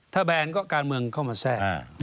ถ้าแบนก็การเมืองเข้ามาแทรก